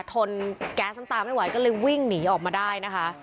ทนแก๊สน้ำตาไม่ไหวก็เลยวิ่งหนีออกมาได้นะคะ